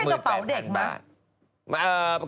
ไม่ใช่กระเป๋าเด็กมั้ย